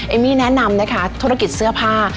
เอมมี่แนะนำนะคะธุรกิจเสื้อผ้า